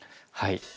はい。